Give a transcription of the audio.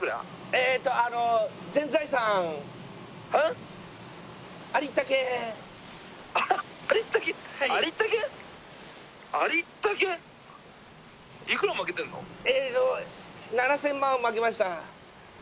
えーっと７０００万負けました。